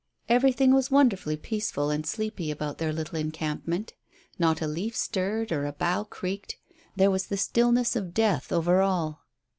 Everything was wonderfully peaceful and sleepy about their little encampment. Not a leaf stirred or a bough creaked; there was the stillness of death over all.